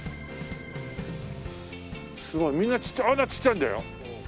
すごいみんなちっちゃいあんなちっちゃいんだよ！